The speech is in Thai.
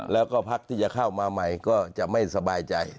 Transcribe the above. แล้วก็พักที่จะเข้ามาใหม่ก็จะไม่สบายใจ